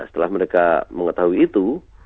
setelah mereka mengetahui itu